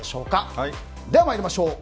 では参りましょう。